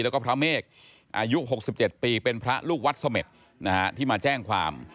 แล้วก็พระเมฆอายุ๖๗ปีเป็นพระลูกวัดเสม็ดนะฮะที่มาแจ้งความ